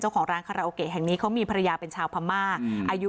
ของร้านคาราโอเกะแห่งนี้เขามีภรรยาเป็นชาวพม่าอายุ